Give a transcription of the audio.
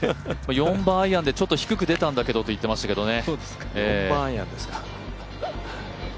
４番アイアンで低く出たんだけどと言ってたんですけどね。